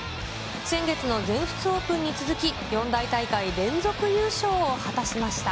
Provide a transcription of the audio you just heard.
先月の全仏オープンに続き、四大大会連続優勝を果たしました。